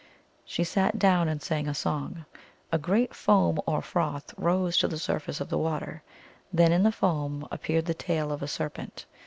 She sat down and sang a song. A great foam, or froth, rose to the sur face of the water. Then in the foam appeared the tail of a serpent.